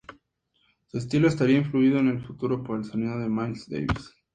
Su estilo estaría influido en el futuro por el sonido de Miles Davis.